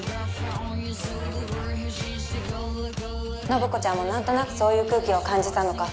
信子ちゃんもなんとなくそういう空気を感じたのか